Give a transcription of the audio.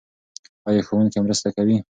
ایا ښوونکی مرسته کوي؟